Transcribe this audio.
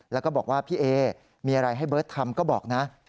แล้วก็บอกว่าพี่เอมีอะไรให้เบิร์ตทำก็บอกนะ